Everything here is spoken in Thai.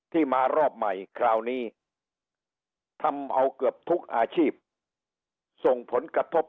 มารอบใหม่คราวนี้ทำเอาเกือบทุกอาชีพส่งผลกระทบ